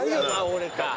俺か。